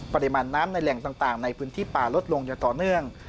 ปริมาณน้ำในแหล่งต่างในพื้นที่ป่าลดลงอย่างต่อเนื่อง